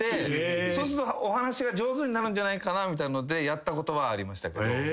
そうするとお話しが上手になるんじゃないかなってやったことはありましたけど。